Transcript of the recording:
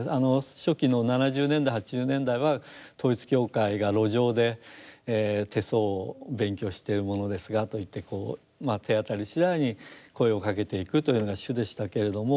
初期の７０年代８０年代は統一教会が路上で「手相を勉強している者ですが」と言って手当たりしだいに声をかけていくというのが主でしたけれども。